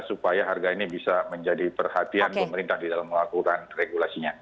supaya harga ini bisa menjadi perhatian pemerintah di dalam melakukan regulasinya